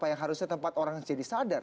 yang harusnya tempat orang jadi sadar